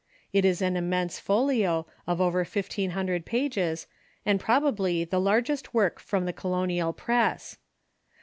It is an immense folio, of over fifteen hundred pages, and probably the largest work from the colonial press.